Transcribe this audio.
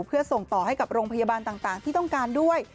เพื่อส่งต่อให้กับโรงพยาบาลต่างที่ต้องการด้วย